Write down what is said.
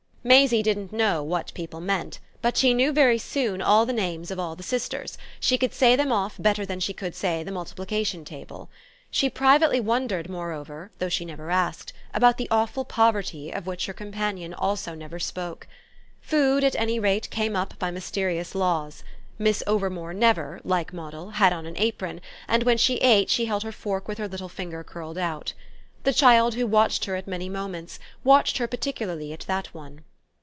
Maisie didn't know what people meant, but she knew very soon all the names of all the sisters; she could say them off better than she could say the multiplication table. She privately wondered moreover, though she never asked, about the awful poverty, of which her companion also never spoke. Food at any rate came up by mysterious laws; Miss Overmore never, like Moddle, had on an apron, and when she ate she held her fork with her little finger curled out. The child, who watched her at many moments, watched her particularly at that one.